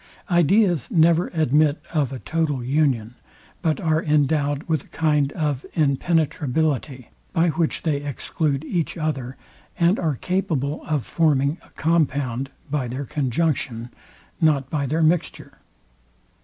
Ideas never admit of a total union, but are endowed with a kind of impenetrability, by which they exclude each other, and are capable of forming a compound by their conjunction, not by their mixture.